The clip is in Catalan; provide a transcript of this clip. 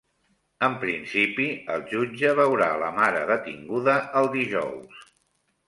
En principi, el jutge veurà la mare detinguda el dijous.